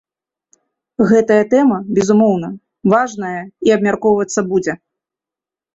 Гэтая тэма, безумоўна, важная і абмяркоўвацца будзе.